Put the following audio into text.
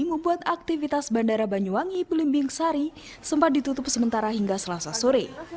membuat aktivitas bandara banyuwangi pelimbing sari sempat ditutup sementara hingga selasa sore